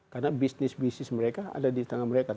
karena bisnis bisnis mereka ada di tengah mereka